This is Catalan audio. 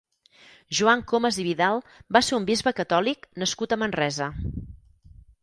Joan Comes i Vidal va ser un bisbe catòlic nascut a Manresa.